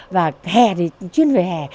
và hè thì chuyên về hè